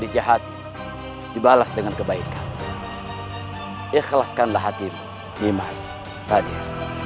dijahat dibalas dengan kebaikan ikhlaskanlah hatimu nimas raden